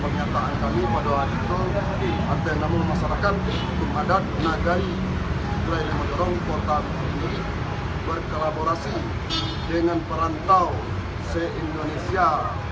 berkolaborasi dengan perantau se indonesia